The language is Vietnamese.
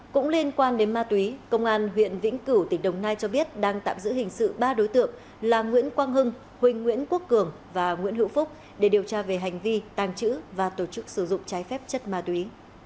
cũng liên quan đến ma túy công an huyện vĩnh cửu tỉnh đồng nai cho biết đang tạm giữ hình sự ba đối tượng là nguyễn quang hưng huỳnh nguyễn quốc cường và nguyễn hữu phúc để điều tra về hành vi tàng trữ và tổ chức sử dụng trái phép chất ma túy